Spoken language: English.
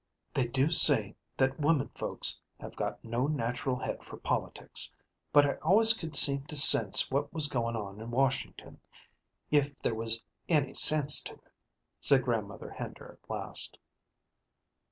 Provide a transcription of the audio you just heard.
"They do say that women folks have got no natural head for politics, but I always could seem to sense what was goin' on in Washington, if there was any sense to it," said grandmother Hender at last.